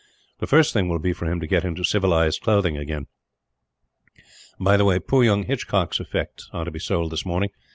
The first thing will be for him to get into civilized clothes again. "By the way, poor young Hitchcock's effects are to be sold this morning.